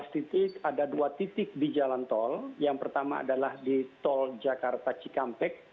dua belas titik ada dua titik di jalan tol yang pertama adalah di tol jakarta cikampek